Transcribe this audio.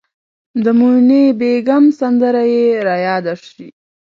د موني بیګم سندره یې ریاده شي.